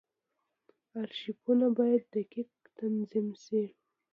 ارشیفونه باید دقیق تنظیم شي.